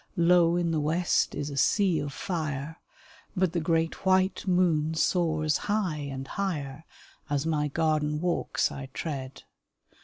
Low in the west is a sea of fire, But the great white moon soars high and higher, As my garden walks I tread.